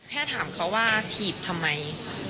แค่ถามเขาว่าถีบทำไม